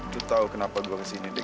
lo tau kenapa gue kesini dik